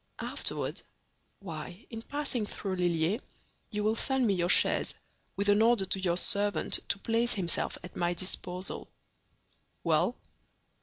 "Afterward? Why, in passing through Lilliers you will send me your chaise, with an order to your servant to place himself at my disposal." "Well."